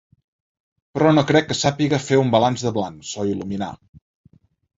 Però no crec que sàpiga fer un balanç de blancs, o il·luminar.